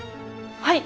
はい。